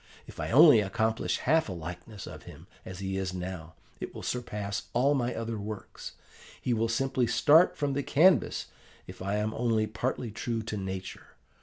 'If I only accomplish half a likeness of him, as he is now, it will surpass all my other works: he will simply start from the canvas if I am only partly true to nature.